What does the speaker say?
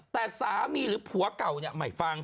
แต่สามีหรือผัวเก่าไม่ฟัง